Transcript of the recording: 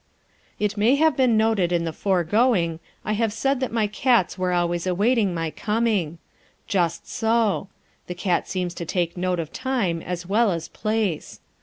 It may have been noted in the foregoing I have said that my cats were always awaiting my coming. Just so. The cat seems to take note of time as well as place.